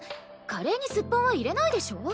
カレーにすっぽんは入れないでしょ。